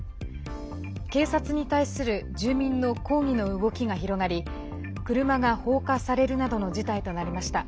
警察に対する住民の抗議の動きが広がり車が放火されるなどの事態となりました。